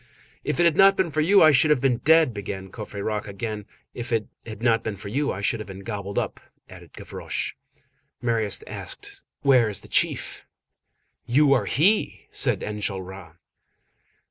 "If it had not been for you, I should have been dead!" began Courfeyrac again. "If it had not been for you, I should have been gobbled up!" added Gavroche. Marius asked:— "Where is the chief?" "You are he!" said Enjolras.